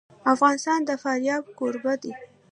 افغانستان د فاریاب کوربه دی.